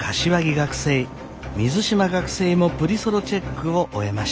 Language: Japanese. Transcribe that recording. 学生もプリソロチェックを終えました。